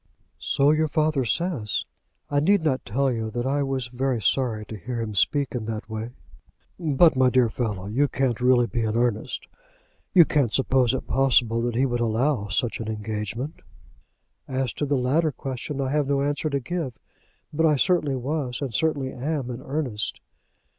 "So your father says. I need not tell you that I was very sorry to hear him speak in that way." "But, my dear fellow, you can't really be in earnest? You can't suppose it possible that he would allow such an engagement?" "As to the latter question, I have no answer to give; but I certainly was, and certainly am in earnest."